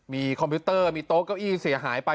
มีคอมพิวเตอร์มีโต๊ะเก้าอี้เสียหายไป